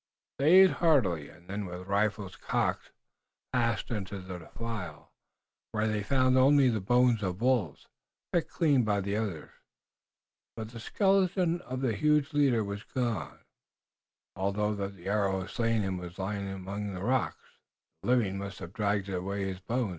They ate heartily, and then with rifles cocked passed into the defile, where they found only the bones of wolves, picked clean by the others. But the skeleton of the huge leader was gone, although the arrow that had slain him was lying among the rocks. "The living must have dragged away his bones.